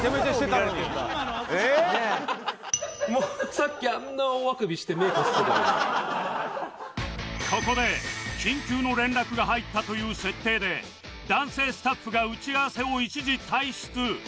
さっきあんなここで緊急の連絡が入ったという設定で男性スタッフが打ち合わせを一時退出